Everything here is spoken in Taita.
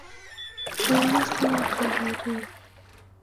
Ini sina kighirio